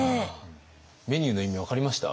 メニューの意味分かりました？